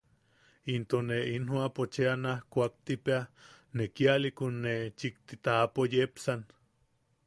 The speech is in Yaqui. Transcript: Into ne in joʼapo cheʼa naj kuaktipeaka, ne kialiʼikun ne chikti taʼapo yepsan.